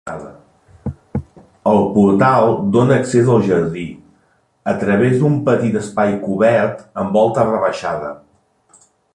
El portal dóna accés al jardí, a través d'un petit espai cobert amb volta rebaixada.